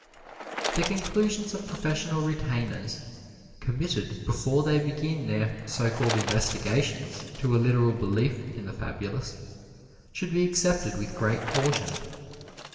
The conclusions of professional retainers, committed before they begin their so called investigations to a literal belief in the fabulous, should be accepted with great caution.